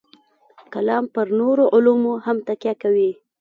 کلام پر نورو علومو هم تکیه کوي.